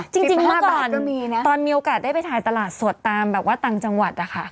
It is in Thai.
จริงเมื่อก่อนตอนมีโอกาสได้ไปถ่ายตลาดสดตามแบบว่าต่างจังหวัดนะคะ